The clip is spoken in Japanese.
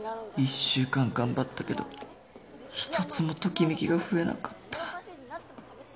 １週間頑張ったけど一つもときめきが増えなかった